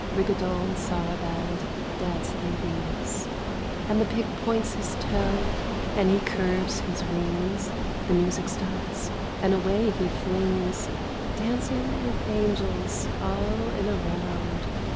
... Rigaudon, sarabande, danced they these. And the pig points his toe and he curves his wings. The music starts and away he flings — Dancing with angels all in a round.